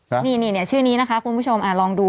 นี่ชื่อนี้นะคะคุณผู้ชมลองดู